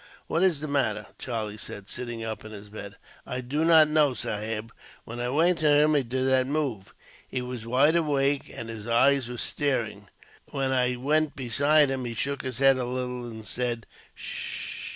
"What is the matter?" Charlie said, sitting up in his bed. "I do not know, sahib. When I went to him, he did not move. He was wide awake, and his eyes are staring. When I went beside him, he shook his head a little, and said, 'S s s h.'